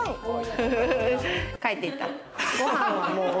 帰っていった。